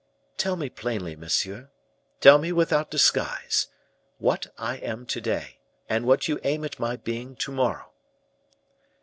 "Tell me plainly, monsieur tell me without disguise what I am to day, and what you aim at my being to morrow."